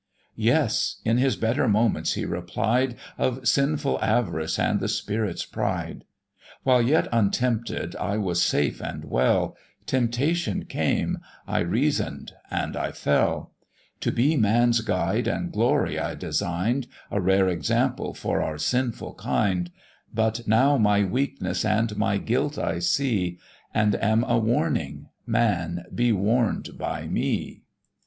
"Yes," in his better moments, he replied, "Of sinful avarice and the spirit's pride; While yet untempted, I was safe and well; Temptation came; I reason'd, and I fell: To be man's guide and glory I design'd, A rare example for our sinful kind; But now my weakness and my guilt I see, And am a warning man, be warn'd by me!"